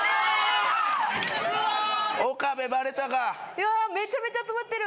うわめちゃめちゃ集まってる。